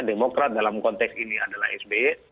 demokrat dalam konteks ini adalah sby